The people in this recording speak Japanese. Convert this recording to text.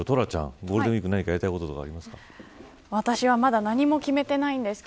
トラちゃんゴールデンウイークにやりたいことありますか。